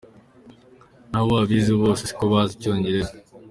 Naho abize bose siko bazi icyongereza.